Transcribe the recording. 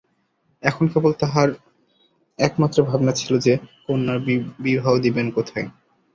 এখন কেবল তাঁহার একমাত্র ভাবনা ছিল যে, কন্যার বিবাহ দিবেন কোথায়।